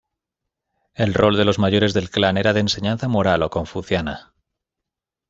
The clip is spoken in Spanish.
El rol de los mayores del clan era de enseñanza moral o confuciana.